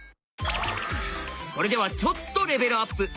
それではちょっとレベルアップ！